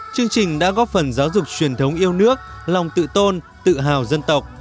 chương trình đã góp phần giáo dục truyền thống yêu nước lòng tự tôn tự hào dân tộc